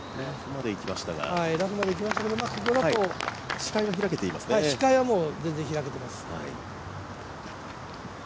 ラフまでいきましたけど、ここだけど視界は全然開けています。